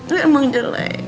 lu emang jelek